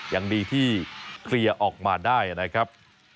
ยังดีที่เคลียร์ออกมาได้นะครับ